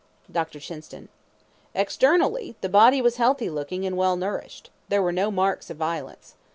Dr. Chinston: Externally, the body was healthy looking and well nourished. There were no marks of violence.